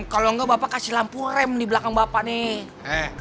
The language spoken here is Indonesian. kalau enggak bapak kasih lampu rem di belakang bapak nih